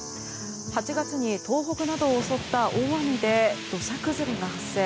８月に東北などを襲った大雨で土砂崩れが発生。